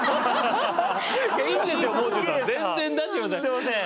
すみません。